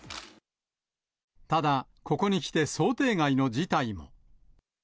ただ、ここにきて想定外の事態に。